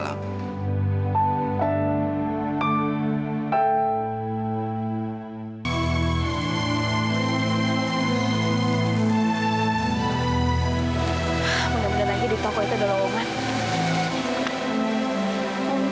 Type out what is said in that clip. mudah mudahan lagi di toko itu ada warungan